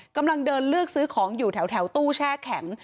กำลังเดินเลือกซื้อของอยู่แถวตู้แช่แข็ง